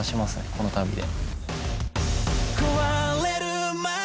この旅で。